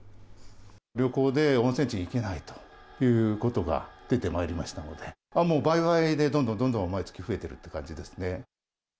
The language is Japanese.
旅行で温泉地に行けないということが出てまいりましたので、もう、倍々でどんどんどんどん毎月増えてるって感じですね。